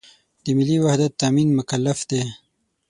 د ملي وحدت تأمین مکلف دی.